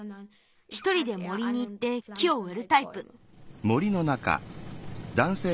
ひとりで森にいって木をうえるタイプ。